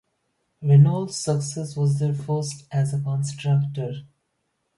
Renault's success was their first as a constructor.